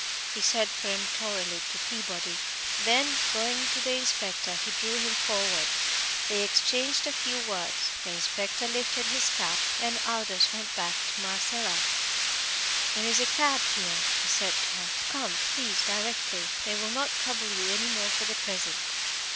he said peremptorily to Peabody; then going up to the inspector he drew him forward. They exchanged a few words, the inspector lifted his cap, and Aldous went back to Marcella. "There is a cab here," he said to her. "Come, please, directly. They will not trouble you any more for the present."